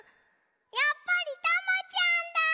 やっぱりタマちゃんだ！